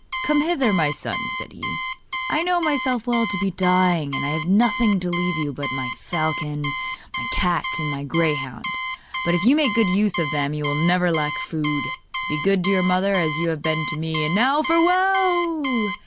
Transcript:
'Come hither, my son,' said he; 'I know myself well to be dying, and I have nothing to leave you but my falcon, my cat and my greyhound; but if you make good use of them you will never lack food. Be good to your mother, as you have been to me. And now farewell!